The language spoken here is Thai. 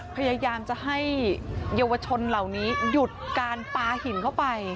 พยายามจะให้เยาวชนเหล่านี้หยุดการปลาหินเข้าไป